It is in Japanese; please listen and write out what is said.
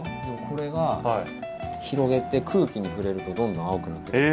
これが広げて空気に触れるとどんどん青くなってくる。